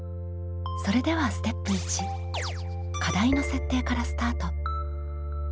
それではステップ１課題の設定からスタート。